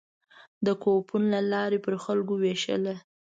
د کوپون له لارې پر خلکو وېشله.